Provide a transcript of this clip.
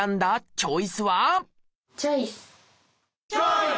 チョイス！